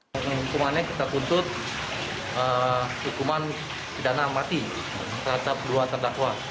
hukumannya kita tuntut hukuman pidana mati terhadap dua terdakwa